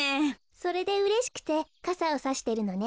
それでうれしくてかさをさしてるのね。